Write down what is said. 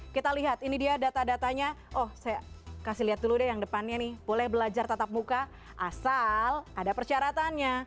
kita lihat ini dia data datanya oh saya kasih lihat dulu deh yang depannya nih boleh belajar tatap muka asal ada persyaratannya